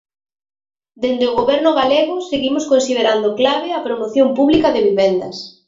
Dende o Goberno galego seguimos considerando clave a promoción pública de vivendas.